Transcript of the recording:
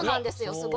すごい。